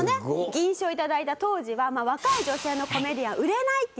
銀賞を頂いた当時は若い女性のコメディアンは売れないっていうね